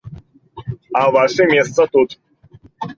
А ваша месца тут.